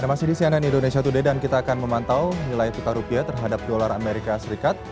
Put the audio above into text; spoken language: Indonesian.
masih di cnn indonesia today dan kita akan memantau nilai tukar rupiah terhadap dolar amerika serikat